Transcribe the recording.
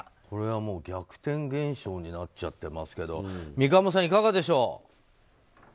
これはもう逆転現象になっちゃっていますけど三鴨さん、いかがでしょう。